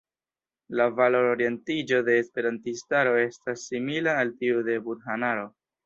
La valor-orientiĝo de esperantistaro estas simila al tiu de budhanaro.